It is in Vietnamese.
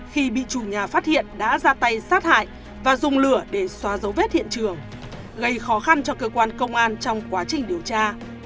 khi bị chủ nhà phát hiện đã ra tay sát hại và dùng lửa để xóa dấu vết hiện trường gây khó khăn cho cơ quan công an trong quá trình điều tra